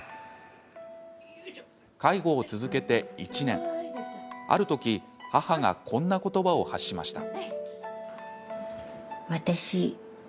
介護を続けて１年、ある時母がこんな言葉を発しました。